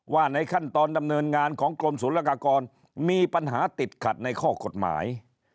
ว่าในขั้นตอนดำเนินงานของกรมศูนยากากรมีปัญหาติดขัดในข้อกฎหมาย